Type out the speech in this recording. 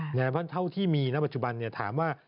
เพราะฉะนั้นเท่าที่มีณปัจจุบันถามว่า